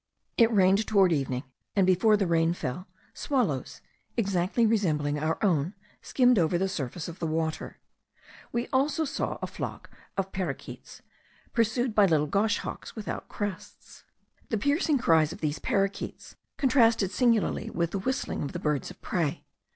It rained toward evening, and before the rain fell, swallows, exactly resembling our own, skimmed over the surface of the water. We saw also a flock of paroquets pursued by little goshawks without crests. The piercing cries of these paroquets contrasted singularly with the whistling of the birds of prey.